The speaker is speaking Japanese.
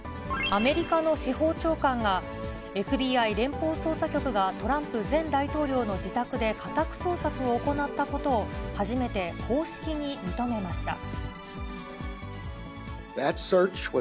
アメリカの司法長官が、ＦＢＩ・連邦捜査局が、トランプ前大統領の自宅で家宅捜索を行ったことを、初めて公式に認めました。